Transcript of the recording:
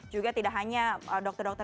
juga tidak hanya dokter dokter